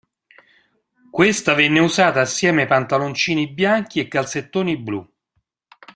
Questa venne usata assieme ai pantaloncini bianchi e calzettoni blu.